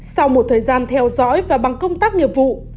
sau một thời gian theo dõi và bằng công tác nghiệp vụ